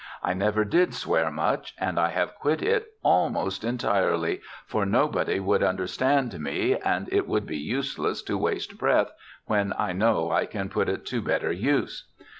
I never did swear much, and I have quit it almost entirely, for nobody would understand me, and it would be useless to waste breath when I know I can put it to a better lo BIOGRAPHICAL ESSAYS use.